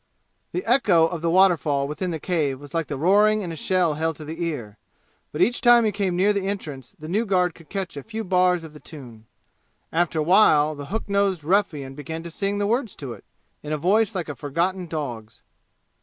The echo of the waterfall within the cave was like the roaring in a shell held to the ear, but each time he came near the entrance the new guard could catch a few bars of the tune. After a little while the hook nosed ruffian began to sing the words to it, in a voice like a forgotten dog's.